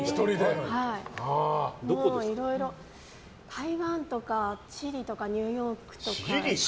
台湾とかチリとかニューヨークとか。